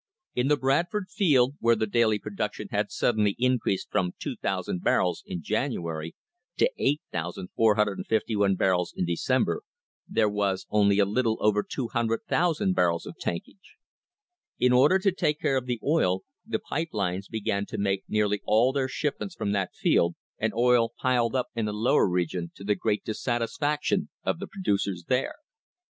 In the Bradford field, where the daily production had suddenly increased from 2,000 barrels in January to 8,451 barrels in December, there was only a little over 200,000 barrels of tankage.* In order to take care of the oil the pipe lines began to make nearly all their shipments from that field, and oil piled up in the Lower Region to the great dissatisfaction of the producers there.